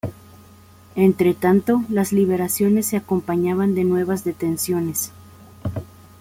Entre tanto, las liberaciones se acompañaban de nuevas detenciones.